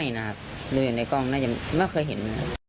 นี่นะครับดูอยู่ในกล้องน่าจะไม่เคยเห็น